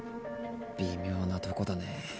微妙なとこだね。